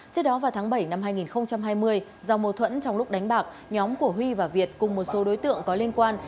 trước đó vào tháng bảy năm hai nghìn hai mươi do mâu thuẫn trong lúc đánh bạc nhóm của huy và việt cùng một số đối tượng có liên quan